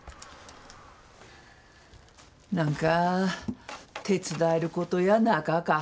何か手伝えることやなかか。